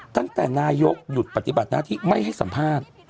ตั้งแต่นายกหยุดปฏิบัติหน้าที่ไม่ให้สัมภาษณ์